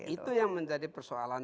itu yang menjadi persoalan